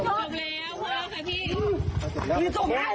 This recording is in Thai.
กลับออกไง